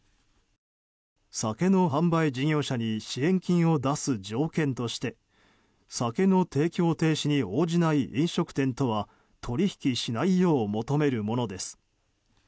酒の販売事業者に支援金を出す条件として酒の提供停止に応じない飲食店とは取引しないよう求めるものです。